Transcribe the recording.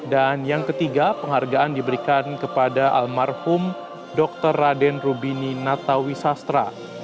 dan yang ketiga penghargaan diberikan kepada almarhum dr raden rubini natawi sastra